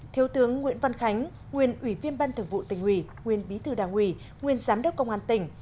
thiếu tướng nguyễn văn khánh nguyên ủy viên ban thường vụ tình huy nguyên bí thư đảng huy nguyên giám đốc công an tỉnh